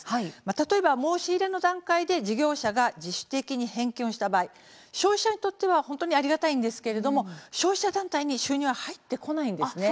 例えば申し入れの段階で事業者が自主的に返金した場合消費者にとっては本当にありがたいんですけれども消費者団体に収入は入ってこないんです。